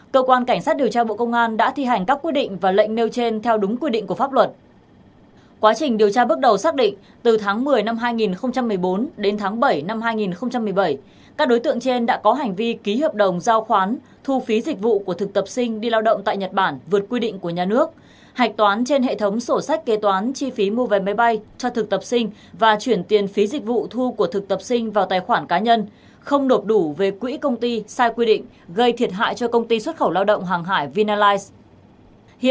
cơ quan cảnh sát điều tra bộ công an đang tập trung lực lượng khẩn trương làm rõ hành vi xe phạm của các bị can thu hồi tài sản của nhà nước và tiến hành điều tra mở rộng vụ án theo đúng quy định của pháp luật